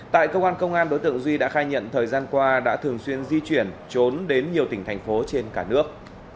tại cơ quan công an đối tượng duy đã khai nhận thời gian qua đã thường xuyên di chuyển trốn đến nhiều tỉnh thành phố trên cả nước